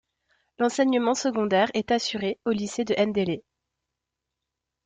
L'enseignement secondaire est assuré au lycée de Ndélé.